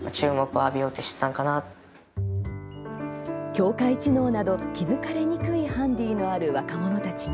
境界知能など気付かれにくいハンディのある若者たち。